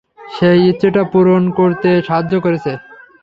সেই ইচ্ছেটা পূরণ করতে সাহায্য করেছ?